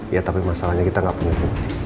ya tapi masalahnya kita nggak punya bukti